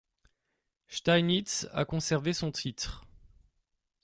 Steinitz a conservé son titre.